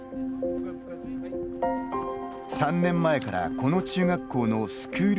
３年前から、この中学校のスクール